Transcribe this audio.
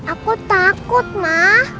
aku takut ma